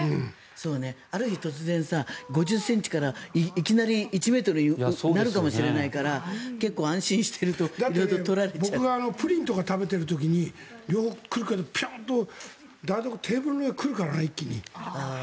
ある日突然５０ｃｍからいきなり１ｍになるかもしれないから僕がプリンとかを食べてる時によく来るけどぴょんとテーブルの上に一気に来るからね。